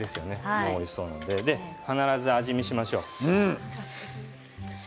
もうおいしそうなので必ず味見をしましょう。